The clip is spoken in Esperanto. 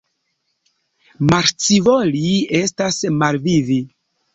Malscivoli estas malvivi.